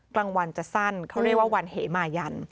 กลางวันจะสั้นเขาเรียกว่าวันเหมายัน